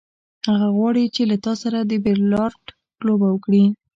هغه غواړي چې له تا سره د بیلیارډ لوبه وکړي.